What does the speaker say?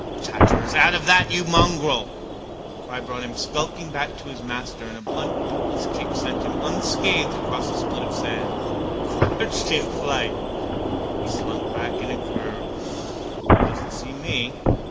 —Tatters! Out of that, you mongrel! The cry brought him skulking back to his master and a blunt bootless kick sent him unscathed across a spit of sand, crouched in flight. He slunk back in a curve. Doesn't see me.